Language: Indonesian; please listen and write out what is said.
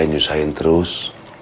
saya nyusahin terus